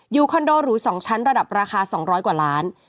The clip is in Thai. คอนโดหรู๒ชั้นระดับราคา๒๐๐กว่าล้าน